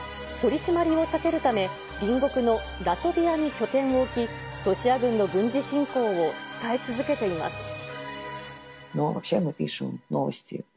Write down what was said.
取締りを避けるため、隣国のラトビアに拠点を置き、ロシア軍の軍事侵攻を伝え続けています。